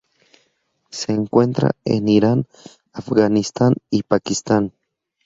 Se encuentra en Irán, Afganistán y Pakistán.